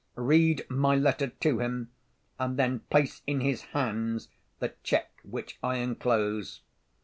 Read my letter to him, and then place in his hands the cheque which I enclose.